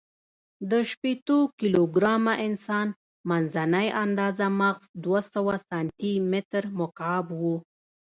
د شپېتو کیلو ګرامه انسان، منځنۍ آندازه مغز دوهسوه سانتي متر مکعب و.